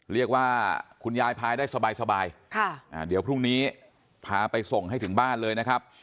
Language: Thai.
คุณยายพายได้สบายเดี๋ยวพรุ่งนี้พาไปส่งให้ถึงบ้านเลยนะครับ